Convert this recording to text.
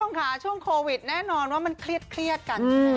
คุณผู้ชมค่ะช่วงโควิดแน่นอนว่ามันเครียดกัน